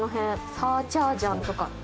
サーチャージャンとか。